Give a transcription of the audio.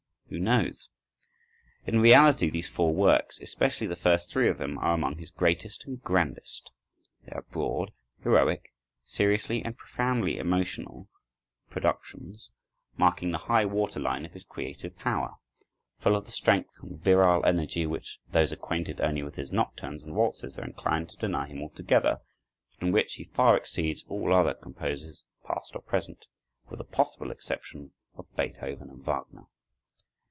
Who knows? In reality these four works, especially the first three of them, are among his greatest and grandest. They are broad, heroic, seriously and profoundly emotional productions, marking the high water line of his creative power; full of the strength and virile energy which those acquainted only with his nocturnes and waltzes are inclined to deny him altogether, but in which he far exceeds all other composers, past or present, with the possible exception of Beethoven and Wagner.